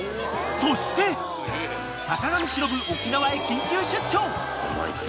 そして、坂上忍沖縄へ緊急出張。